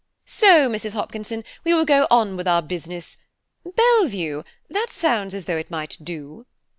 "So, Mrs. Hopkinson, we will go on with our business; Bellevue–that sounds as though it might do."